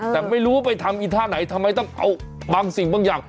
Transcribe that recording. แต่ไม่รู้ว่าไปทำอีท่าไหนทำไมต้องเอาบางสิ่งบางอย่าง